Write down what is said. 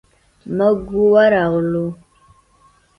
موږ ورغلو.